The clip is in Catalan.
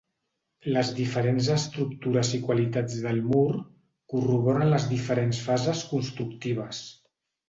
Les diferents estructures i qualitats del mur corroboren les diferents fases constructives.